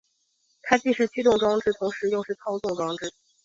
它既是驱动装置同时又是操纵装置。